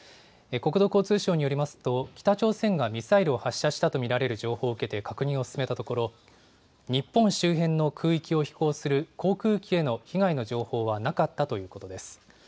国土交通省によりますと、北朝鮮がミサイルを発射したと見られる情報を受けて、確認を進めたところ、日本周辺の空域を飛行する航空機への被害の情報はなかったということです。